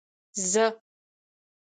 زه.